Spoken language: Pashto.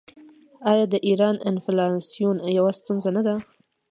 آیا د ایران انفلاسیون یوه ستونزه نه ده؟